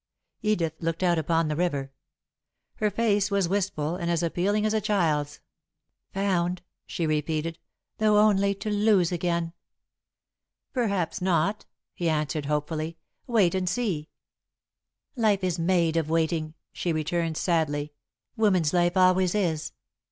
Edith looked out upon the river. Her face was wistful and as appealing as a child's. "Found," she repeated, "though only to lose again." "Perhaps not," he answered, hopefully. "Wait and see." [Sidenote: Never Again] "Life is made of waiting," she returned, sadly "woman's life always is."